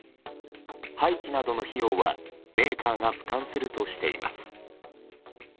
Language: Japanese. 廃棄などの費用はメーカーが負担するとしています。